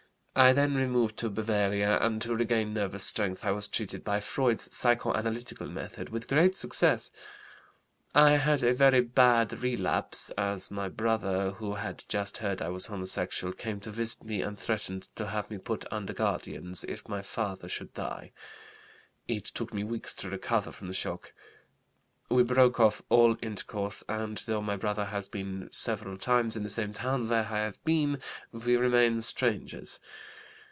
I then removed to Bavaria, and to regain nervous strength I was treated by Freud's psychoanalytical method, with great success. I had a very bad relapse, as my brother, who had just heard I was homosexual, came to visit me and threatened to have me put under guardians, if my father should die. It took me weeks to recover from the shock. We broke off all intercourse and though my brother has been several times in the same town where I have been, we remain strangers.